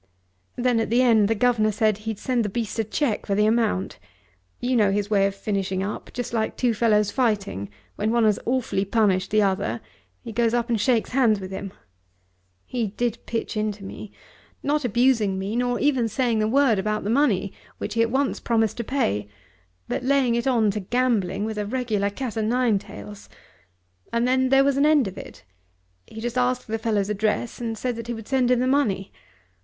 Then at the end the governor said he'd send the beast a cheque for the amount. You know his way of finishing up, just like two fellows fighting; when one has awfully punished the other he goes up and shakes hands with him. He did pitch into me, not abusing me, nor even saying a word about the money, which he at once promised to pay, but laying it on to gambling with a regular cat o' nine tails. And then there was an end of it. He just asked the fellow's address and said that he would send him the money.